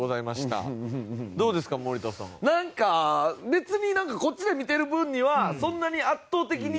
別にこっちで見てる分にはそんなに圧倒的に。